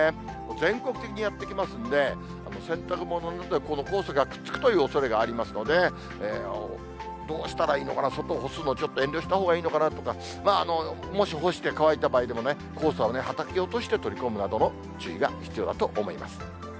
全国的にやって来ますんで、洗濯物に黄砂がくっつくというおそれがありますので、どうしたらいいのかな、外干すのちょっと遠慮したほうがいいのかなとか、もし干して乾いた場合でもね、黄砂をはたき落として取り込むなどの注意が必要だと思います。